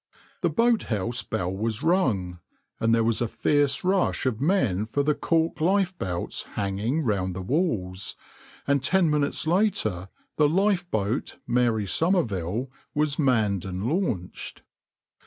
The boathouse bell was rung, there was a fierce rush of men for the cork lifebelts hanging round the walls, and ten minutes later the lifeboat {\itshape{Mary Somerville}} was manned and launched.